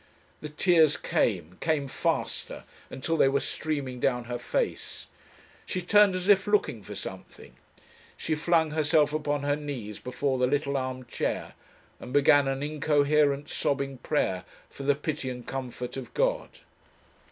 The tears came, came faster, until they were streaming down her face. She turned as if looking for something. She flung herself upon her knees before the little arm chair, and began an incoherent sobbing prayer for the pity and comfort of God.